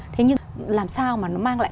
thế nhưng làm sao mà nó mang lại